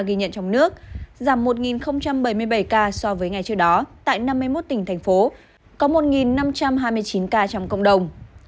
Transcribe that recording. ghi nhận trong nước giảm một bảy mươi bảy ca so với ngày trước đó tại năm mươi một tỉnh thành phố có một năm trăm hai mươi chín ca trong cộng đồng